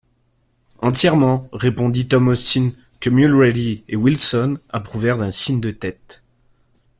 Entièrement, répondit Tom Austin, que Mulrady et Wilson approuvèrent d’un signe de tête.